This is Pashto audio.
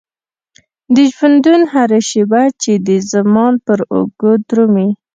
د ژوندون هره شيبه چې د زمان پر اوږو درومي.